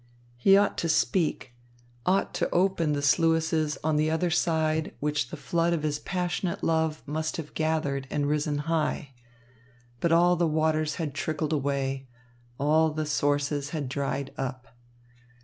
He ought to speak, ought to open the sluices on the other side of which the flood of his passionate love must have gathered and risen high; but all the waters had trickled away, all the sources had dried up.